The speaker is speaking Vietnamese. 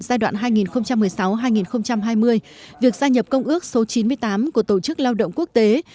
giai đoạn hai nghìn một mươi sáu hai nghìn hai mươi việc gia nhập công ước số chín mươi tám của tổ chức lao động quốc tế